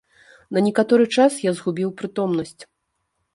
На некаторы час я згубіў прытомнасць.